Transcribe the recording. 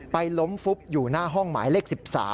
ไปล้มฟุบอยู่หน้าห้องหมายเลข๑๓